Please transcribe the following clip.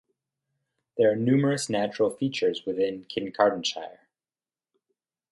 There are numerous natural features within Kincardineshire.